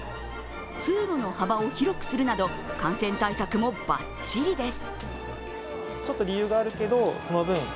通路の幅を広くするなど感染対策もバッチリです。